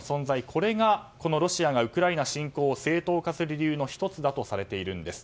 これがロシアがウクライナ侵攻を正当化する理由の１つだとされているんです。